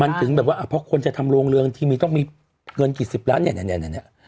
มันถึงแบบว่าพอคนจะทำโรงเรืองทีมีต้องมีเงินกี่สิบล้านเนี่ย